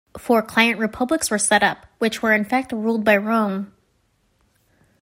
Four client-republics were set up, which were in fact ruled by Rome.